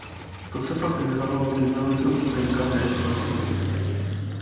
To se pak jmenovalo Gymnázium Zdeňka Nejedlého.